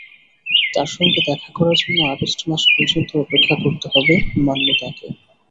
তাঁর সঙ্গে দেখা করার জন্য আগস্ট মাস পর্যন্ত অপেক্ষা করতে হবে মান্যতাকে।